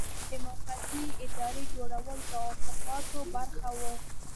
د موقتې ادارې جوړول د توافقاتو برخه وه.